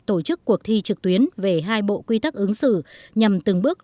tổ chức cuộc thi trực tuyến về hai bộ quy tắc ứng xử nhằm từng bước